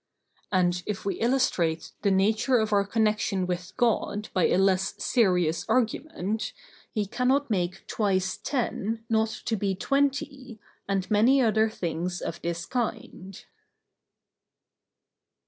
And, if we illustrate the nature of our connection with God by a less serious argument, he cannot make twice ten not to be twenty, and many other things of this kind.